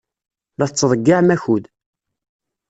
La tettḍeyyiɛem akud.